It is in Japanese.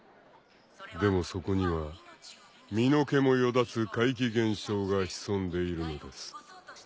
［でもそこには身の毛もよだつ怪奇現象が潜んでいるのです］